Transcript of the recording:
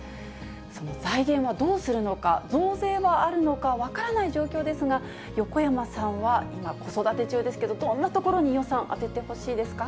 その財源はどうするのか、増税はあるのか、分からない状況ですが、横山さんは今は子育て中ですけど、どんなところに予算充ててほしいですか？